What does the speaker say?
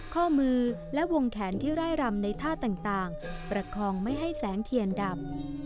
ข้อมือและวงแขนที่ไร่รำในท่าต่างประคองไม่ให้แสงเทียนดับ